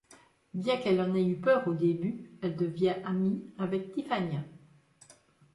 Bien qu'elle en ait peur au début, elle devient amie avec Tiffania.